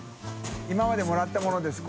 今までもらったものです